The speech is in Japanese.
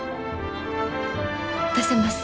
出せます。